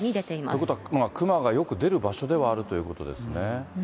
ということは、クマがよく出る場所ではあるということですね。